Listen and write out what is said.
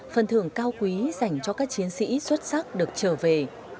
phần thưởng cao quý dành cho các chiến sĩ xuất sắc được trở về